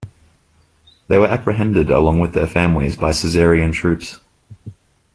They were apprehended along with their families by Caesarian troops.